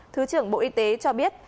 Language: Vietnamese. thứ trưởng bộ y tế cho biết